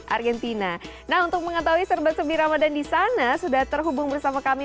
argentina nah untuk mengetahui serba sebi ramadan disana sudah terhubung bersama kami